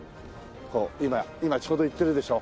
こう今ちょうどいってるでしょ。